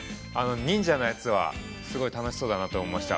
◆忍者のやつは、すごい楽しそうだなと思いました。